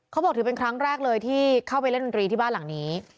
เขาบอกถือเป็นครั้งแรกเลยที่เข้าไปเล่นดนตรีที่บ้านหลังนี้